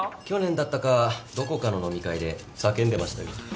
去年だったかどこかの飲み会で叫んでましたよ。